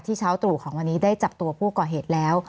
มีความรู้สึกว่ามีความรู้สึกว่า